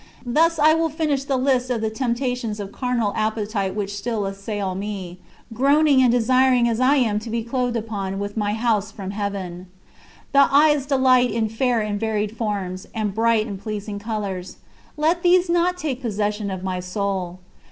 Thus I will finish the list of the temptations of carnal appetite which still assail me groaning and desiring as I am to be clothed upon with my house from heaven. The eyes delight in fair and varied forms, and bright and pleasing colors. Let these not take possession of my soul!